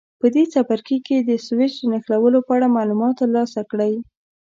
په دې څپرکي کې د سویچ د نښلولو په اړه معلومات ترلاسه کړئ.